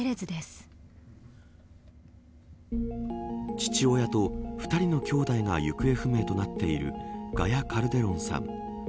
父親と２人のきょうだいが行方不明となっているガヤ・カルデロンさん。